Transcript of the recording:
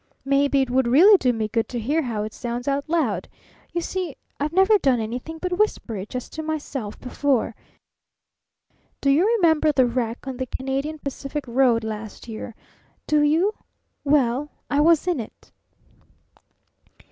Maybe it would really do me good to hear how it sounds out loud. You see, I've never done anything but whisper it just to myself before. Do you remember the wreck on the Canadian Pacific Road last year? Do you? Well I was in it!"